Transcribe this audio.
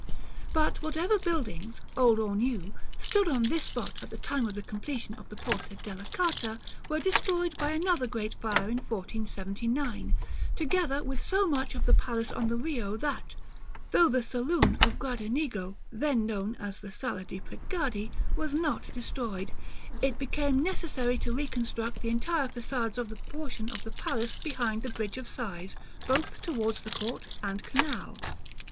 But whatever buildings, old or new, stood on this spot at the time of the completion of the Porta della Carta were destroyed by another great fire in 1479, together with so much of the palace on the Rio that, though the saloon of Gradenigo, then known as the Sala de' Pregadi, was not destroyed, it became necessary to reconstruct the entire façades of the portion of the palace behind the Bridge of Sighs, both towards the court and canal.